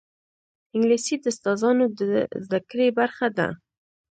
انګلیسي د استاذانو د زده کړې برخه ده